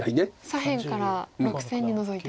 左辺から６線にノゾいて。